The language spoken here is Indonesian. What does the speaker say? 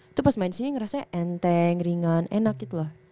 itu pas main sini ngerasanya enteng ringan enak gitu loh